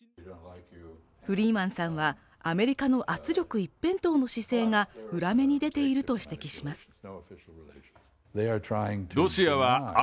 フリーマンさんはアメリカの圧力一辺倒の姿勢が裏目に出ていると指摘します。